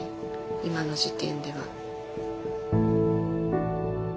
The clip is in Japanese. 今の時点では。